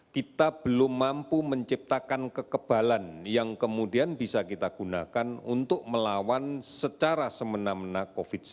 kita belum mampu menciptakan kekebalan yang kemudian bisa kita gunakan untuk melawan secara semena mena covid sembilan belas